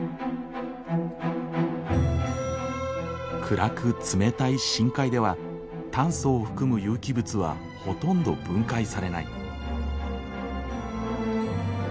暗く冷たい深海では炭素を含む有機物はほとんど分解されない。